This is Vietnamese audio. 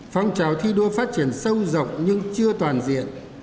phong trào thi đua phát triển sâu rộng nhưng chưa toàn diện